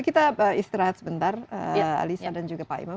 kita istirahat sebentar alisa dan juga pak imam